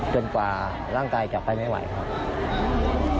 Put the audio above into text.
จนกว่าร่างกายจะไปไม่ไหวครับ